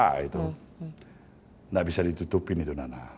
tidak bisa ditutupin itu nana